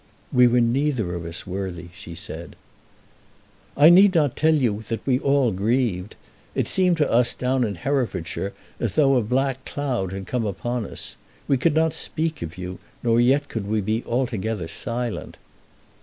"We were neither of us worthy," she said. "I need not tell you that we all grieved. It seemed to us down in Herefordshire as though a black cloud had come upon us. We could not speak of you, nor yet could we be altogether silent."